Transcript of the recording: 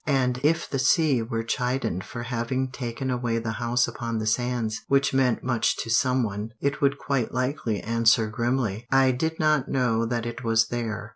And if the sea were chidden for having taken away the house upon the sands, which meant much to some one, it would quite likely answer grimly: "I did not know that it was there."